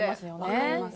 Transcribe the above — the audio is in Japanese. わかります。